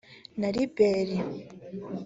na Ribéry